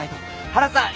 原さん。